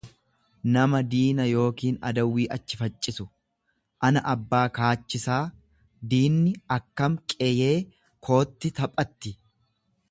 nama diina yookiin adawwii achi faccisu; Ana abbaa kaachisaa! diinni akkam qeeyee kootti taphatti!